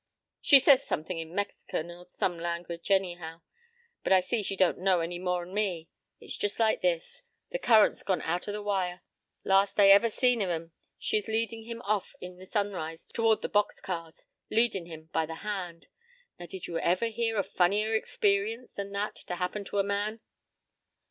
p> "She says somethin' in Mexican—or some language, anyway. But I see she don't know any more 'n me.—It's just like this. The current's gone out o' the wire.—Last I ever see of 'em, she's leadin' him off in the sunrise toward the box cars—leadin' him by the hand.—Now did you ever hear a funnier experience than that to happen to a man?"